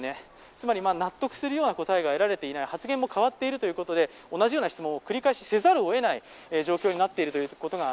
つまり納得するような答えが得られていない、発言も変わっていったということで同じような質問を繰り返しせざるをえない状況になっています。